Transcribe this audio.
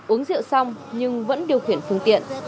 uống rượu xong nhưng vẫn điều khiển phương tiện